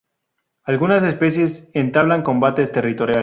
Algunas especies entablan combates territoriales.